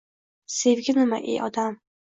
— Sevgi nima, ey odam?